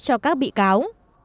cho các bị cáo